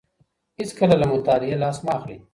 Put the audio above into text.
هيڅکله له مطالعې لاس مه اخلئ.